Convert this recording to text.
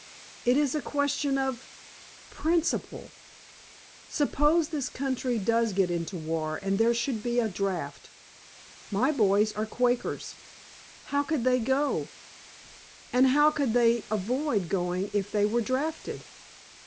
"It is a question of principle. Suppose this country does get into war and there should be a draft. My boys are Quakers. How could they go? And how could they avoid going if they were drafted?